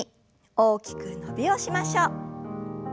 大きく伸びをしましょう。